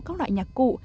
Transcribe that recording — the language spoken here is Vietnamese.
các loại nhạc cụ